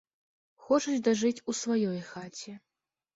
Хочуць дажыць у сваёй хаце.